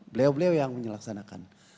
beliau beliau yang menyelaksanakan